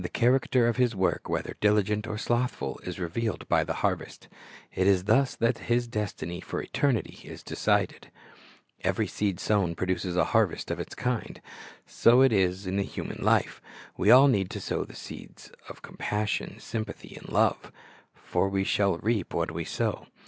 The character of his work, whether diligent or slothful, is revealed by the harvest. It is thus that his destiny for eternity is decided. Every .seed sown produces a harvest of its kind. So it is in human life. We all need to sow the seeds of com passion, sympathy, and love; for we shall reap what we sow.